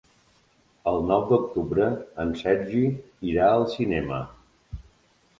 El nou d'octubre en Sergi irà al cinema.